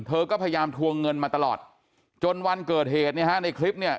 เธอก็พยายามทวงเงินมาตลอดจนวันเกิดเหตุเนี่ยฮะในคลิปเนี่ย